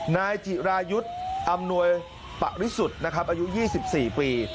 นายจิรายุทธ์อำนวยปริสุทธิ์นะครับอายุ๒๔ปี